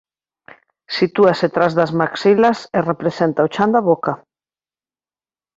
Sitúase tras das maxilas e representa o chan da boca.